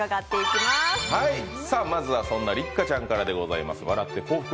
まずはそんな六花ちゃんからです。